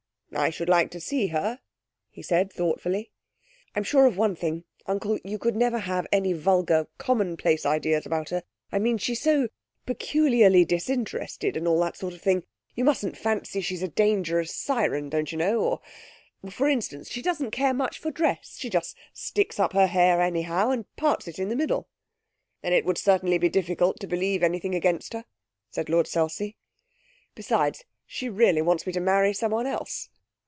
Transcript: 'I should like to see her,' he said thoughtfully. 'I'm sure of one thing, uncle you could never have any vulgar, commonplace ideas about her I mean, she's so peculiarly disinterested, and all that sort of thing. You mustn't fancy she's a dangerous syren, don't you know, or.... For instance, she doesn't care much for dress; she just sticks up her hair anyhow, and parts it in the middle.' 'Then it would certainly be difficult to believe anything against her,' said Lord Selsey. 'Besides, she really wants me to marry someone else.'